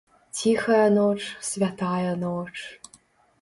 Ціхая ноч, святая ноч!